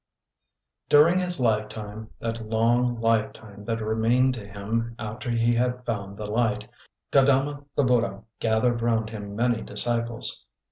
_ During his lifetime, that long lifetime that remained to him after he had found the light, Gaudama the Buddha gathered round him many disciples.